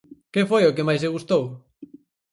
Que foi o que máis lle gustou?